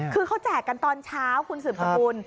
คือเขาแจกกันตอนเช้าคุณสืบสกุล